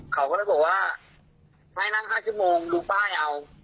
เขาก็เลยบอกว่าให้นั่ง๕ชั่วโมงดูป้ายเอา